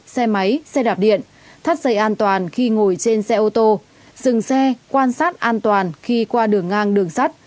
xe máy xe đạp điện thắt dây an toàn khi ngồi trên xe ô tô dừng xe quan sát an toàn khi qua đường ngang đường sắt